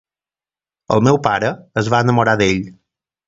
El meu pare es va enamorar d'ell.